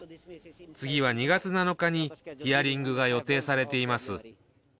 次は２月７日にヒアリングが予定されています。